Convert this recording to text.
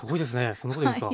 そんなこと言うんですか？